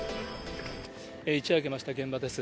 一夜明けました現場です。